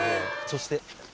そして。